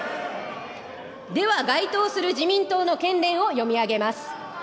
では該当する自民党の県連を読み上げます。